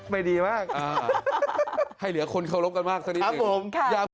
ไปดีมากให้เหลือคนเคารพกันมากสักนิดหนึ่ง